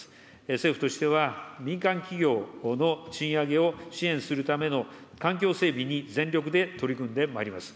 政府としては、民間企業の賃上げを支援するための環境整備に全力で取り組んでまいります。